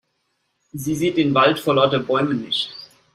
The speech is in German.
Sie sieht den Wald vor lauter Bäumen nicht.